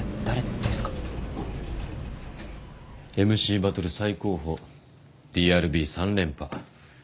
ＭＣバトル最高峰ＤＲＢ３連覇。